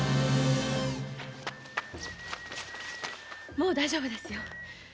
もう大丈夫ですよ。